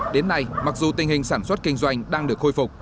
đến nay mặc dù tình hình sản xuất kinh doanh đang được khôi phục